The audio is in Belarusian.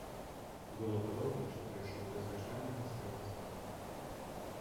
Было падобна, што дайшоў да звычайнага свайго стану.